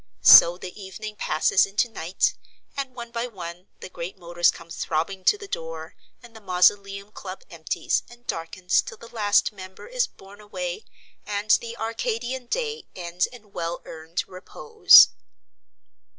So the evening passes into night, and one by one the great motors come throbbing to the door, and the Mausoleum Club empties and darkens till the last member is borne away and the Arcadian day ends in well earned repose.